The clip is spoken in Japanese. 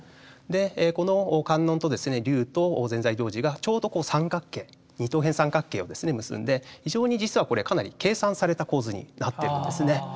この観音と龍と善財童子がちょうど三角形二等辺三角形を結んで非常に実はこれかなり計算された構図になってるんですね。